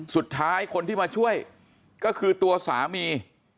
สุดท้ายคนที่มาช่วยก็คือตัวสามี